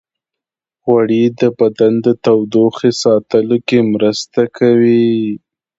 غوړې د بدن د تودوخې ساتلو کې مرسته کوي.